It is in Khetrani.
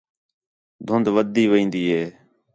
دُھند ودھدی وین٘دی ہِے